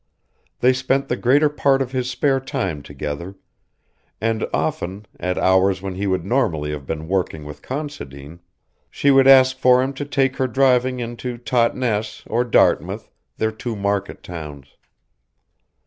They spent the greater part of his spare time together, and often, at hours when he would normally have been working with Considine, she would ask for him to take her driving into Totnes or Dartmouth, their two market towns.